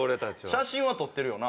写真は撮ってるよな？